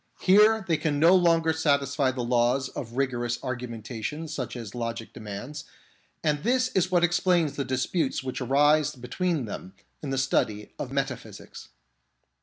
Here they can no longer satisfy the laws of rigorous argu mentation such as logic demands, and this is what explains the disputes which arise between them in the study of metaphysics.